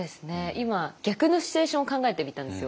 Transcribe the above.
今逆のシチュエーションを考えてみたんですよ。